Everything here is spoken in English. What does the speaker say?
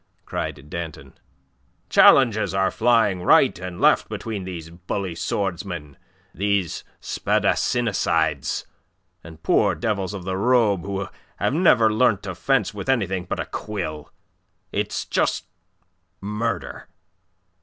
cried Danton. "Challenges are flying right and left between these bully swordsmen, these spadassinicides, and poor devils of the robe who have never learnt to fence with anything but a quill. It's just murder.